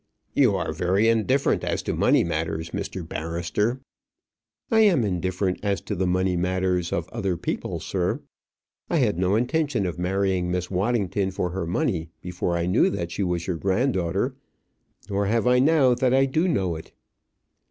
"You are very indifferent as to money matters, Mr. Barrister." "I am indifferent as to the money matters of other people, sir. I had no intention of marrying Miss Waddington for her money before I knew that she was your granddaughter; nor have I now that I do know it."